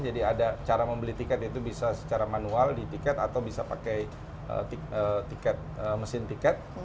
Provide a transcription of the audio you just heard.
ada cara membeli tiket itu bisa secara manual di tiket atau bisa pakai mesin tiket